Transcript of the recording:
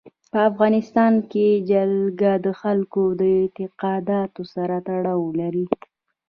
په افغانستان کې جلګه د خلکو د اعتقاداتو سره تړاو لري.